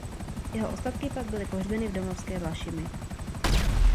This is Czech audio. Jeho ostatky pak byly pohřbeny v domovské Vlašimi.